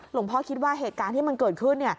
หลวงพ่อคิดว่าเหตุการณ์ที่มันเกิดขึ้น